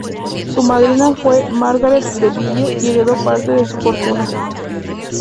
Su madrina fue Margaret Greville y heredó parte de su fortuna.